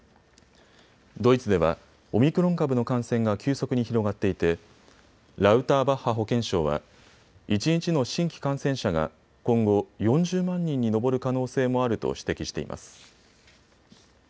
ドイツではオミクロン株の感染が急速に広がっていて、ラウターバッハ保健相は、一日の新規感染者が今後、４０万人に上る可能性もあると指摘しています。